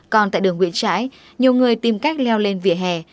còn tại đường nguyễn trãi nhiều người tìm cách leo lên vỉa hè